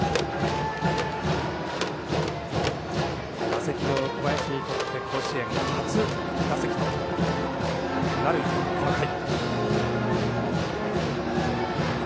打席の小林にとって甲子園初打席となる、この回。